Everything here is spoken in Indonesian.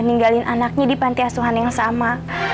ninggalin anaknya di pantiasuhan yang sama